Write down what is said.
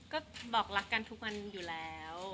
ก็บอกรักกันทุกวันอยู่แล้ว